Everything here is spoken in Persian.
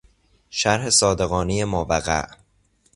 شرح صادقانهی ماوقع